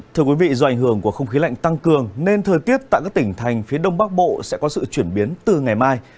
thưa quý vị do ảnh hưởng của không khí lạnh tăng cường nên thời tiết tại các tỉnh thành phía đông bắc bộ sẽ có sự chuyển biến từ ngày mai